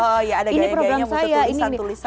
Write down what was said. oh ya ada gaya gayanya untuk tulisan tulisan gitu ya